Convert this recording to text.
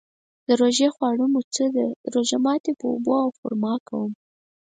د روژې خواړه مو څه ده؟ روژه ماتی په اوبو او خرما کوم